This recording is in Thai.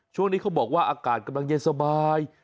ช่วงนี้เขาบอกว่าอากาศกำลังเย็นสบาย